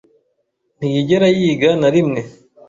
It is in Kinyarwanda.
Ntiyigera yiga na rimwe